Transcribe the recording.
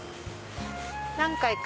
何回か